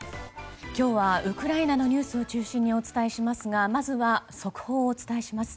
今日はウクライナのニュースを中心にお伝えしますがまずは速報をお伝えします。